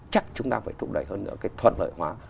chắc chúng ta phải thúc đẩy hơn nữa cái thuận lợi hóa